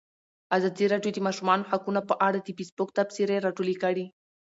ازادي راډیو د د ماشومانو حقونه په اړه د فیسبوک تبصرې راټولې کړي.